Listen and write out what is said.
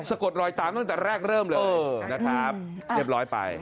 กดรอยตามตั้งแต่แรกเริ่มเลยนะครับเรียบร้อยไป